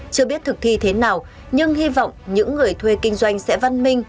chưa biết thực thi thế nào nhưng hy vọng những người thuê kinh doanh sẽ văn minh